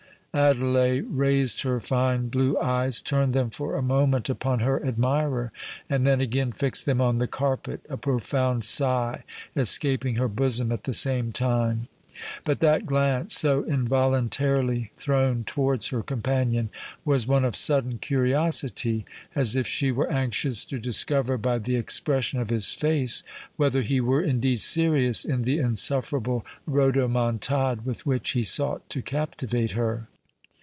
Adelais raised her fine blue eyes, turned them for a moment upon her admirer, and then again fixed them on the carpet, a profound sigh escaping her bosom at the same time:—but that glance, so involuntarily thrown towards her companion, was one of sudden curiosity—as if she were anxious to discover by the expression of his face whether he were indeed serious in the insufferable rhodomontade with which he sought to captivate her.